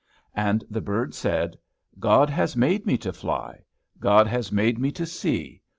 And the bird said, "God has made me to fly. God has made me to see.